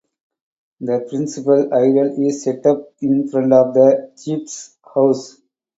The principal idol is set up in front of the chief's house.